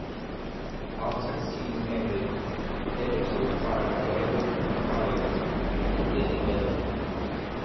After the season ended, Ebersol fired Gail Matthius and Denny Dillon.